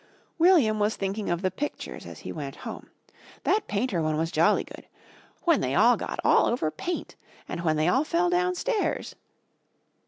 William was thinking of the pictures as he went home. That painter one was jolly good. When they all got all over paint! And when they all fell downstairs!